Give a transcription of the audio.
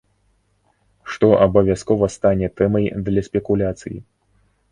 Што абавязкова стане тэмай для спекуляцый.